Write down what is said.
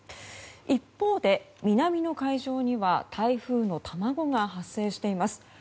一方で南の海上には台風の卵が発生しています。